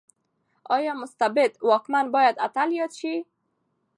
ايا مستبد واکمن بايد اتل ياد شي؟